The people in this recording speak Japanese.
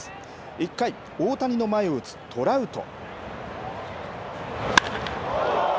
１回、大谷の前を打つトラウト。